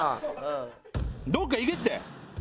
どっか行けって。